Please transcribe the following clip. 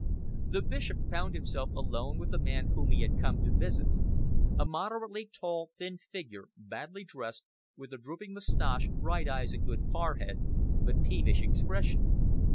The Bishop found himself alone with the man whom he had come to visit, a moderately tall, thin figure, badly dressed, with a drooping moustache, bright eyes and good forehead, but peevish expression.